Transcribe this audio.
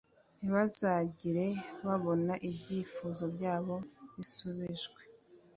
ntibazigera babona ibyifuzo byabo bisubijwe.